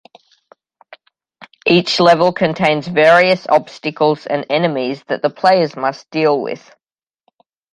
Each level contains various obstacles and enemies that the players must deal with.